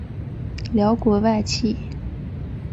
辽国外戚。